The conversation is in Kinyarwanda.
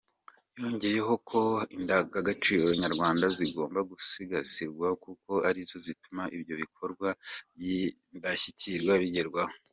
Yongeyeho ko indangagaciro nyarwanda zigomba gusigasirwa kuko arizo zituma ibyo bikorwa by’indashyikirwa bigerwaho.